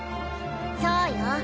そうよ。